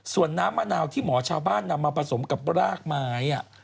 ส่วนน้ำมะนาวที่หมอชาวบ้านนำมาผสมกับรากไม้